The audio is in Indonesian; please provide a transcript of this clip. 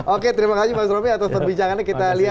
oke terima kasih mas romy atas perbincangannya kita lihat